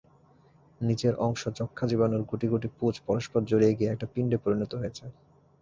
নিচের অংশ যক্ষ্মা-জীবাণুর গুটিগুটি পুঁজ পরস্পর জড়িয়ে গিয়ে একটা পিণ্ডে পরিণত হয়েছে।